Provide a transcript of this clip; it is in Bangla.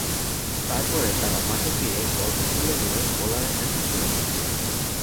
তারপরে তাঁরা মাঠে ফিরে বলটি তুলে নিয়ে বোলারের কাছে ছুঁড়ে দেন।